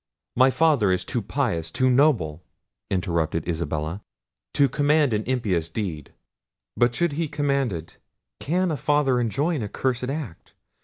"My father is too pious, too noble," interrupted Isabella, "to command an impious deed. But should he command it; can a father enjoin a cursed act?